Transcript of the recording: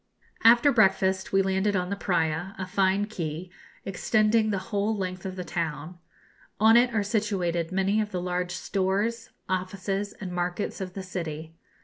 ] After breakfast we landed on the Praya, a fine quay, extending the whole length of the town. On it are situated many of the large stores, offices, and markets of the city.